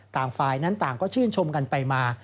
ตามไฟล์ต่างก็ชื่นชมกันไปมา